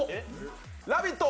「ラヴィット！